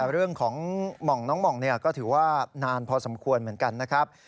เรื่องของหม่องน้องหม่องก็ถือว่านานพอสมควรเหมือนกันนะครับ